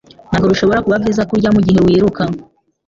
Ntabwo bishobora kuba byiza kurya mugihe wiruka.